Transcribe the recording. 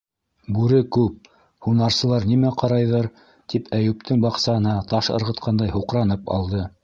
Бүре күп. һунарсылар нимә ҡарайҙыр, - тип, Әйүптең баҡсаһына таш ырғытҡандай, һуҡранып алды.